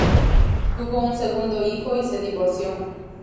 Tuvo un segundo hijo y se divorció.